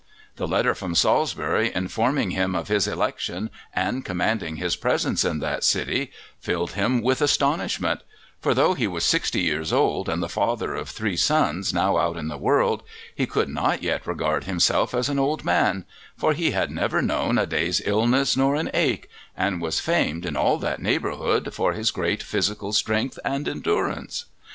The letter from Salisbury informing him of his election and commanding his presence in that city filled him with astonishment; for, though he was sixty years old and the father of three sons now out in the world, he could not yet regard himself as an old man, for he had never known a day's illness, nor an ache, and was famed in all that neighbourhood for his great physical strength and endurance.